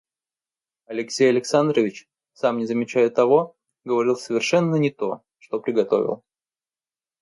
Алексей Александрович, сам не замечая того, говорил совершенно не то, что приготовил.